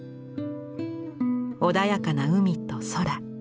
穏やかな海と空。